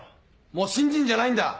もう新人じゃないんだ！